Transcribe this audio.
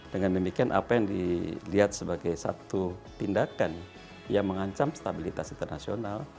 dengan demikian apa yang dilihat sebagai satu tindakan yang mengancam stabilitas internasional